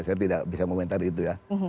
saya tidak bisa komentar itu ya